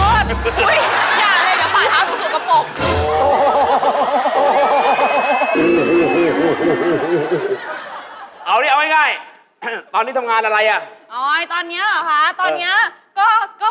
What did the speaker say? โอ๊ยอย่าเลยเดี๋ยวฝ่าเท้าดูสูงกระโปรก